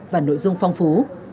và nội dung phong phú